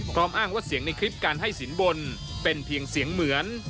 อ้างว่าเสียงในคลิปการให้สินบนเป็นเพียงเสียงเหมือน